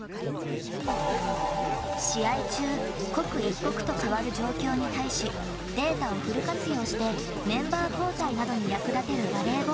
［試合中刻一刻と変わる状況に対しデータをフル活用してメンバー交代などに役立てるバレーボール］